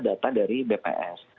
data dari bps